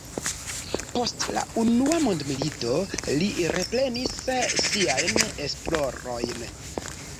Post la Unua mondmilito li reprenis siajn esplorojn.